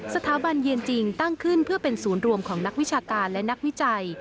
สถาบันเยือนจริงตั้งขึ้นเพื่อเป็นศูนย์รวมของนักวิชาการและนักวิจัย